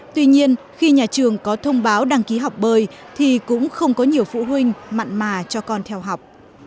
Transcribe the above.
tuy nhiên khi nhà trường có thông báo đăng ký học bơi thì cũng không có nhiều phụ huynh mặn mà cho con theo học